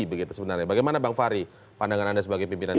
bagaimana bang fahri pandangan anda sebagai pimpinan dpr